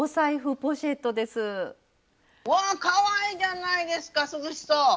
わぁかわいいじゃないですか涼しそう！